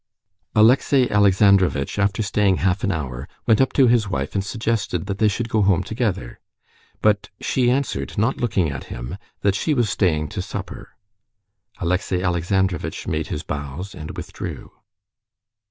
Alexey Alexandrovitch, after staying half an hour, went up to his wife and suggested that they should go home together. But she answered, not looking at him, that she was staying to supper. Alexey Alexandrovitch made his bows and withdrew.